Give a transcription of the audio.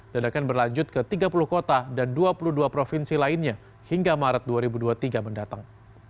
dan akan berlanjut ke tiga puluh kota dan dua puluh dua provinsi lainnya hingga maret dua ribu dua puluh tiga mendatang